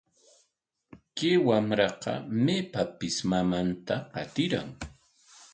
Kay wamraqa maypapis mamanta qatiran.